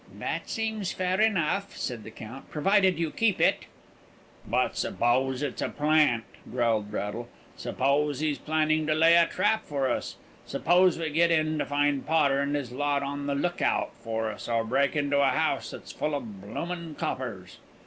"That seems fair enough," said the Count, "provided you keep to it." "But suppose it's a plant?" growled Braddle. "Suppose he's planning to lay a trap for us? Suppose we get in, to find Potter and his lot on the look out for us, or break into a house that's full of bloomin' coppers?"